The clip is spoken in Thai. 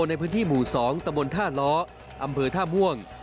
ในพื้นที่หมู่๒ตะบนท่าล้ออำเภอท่าม่วง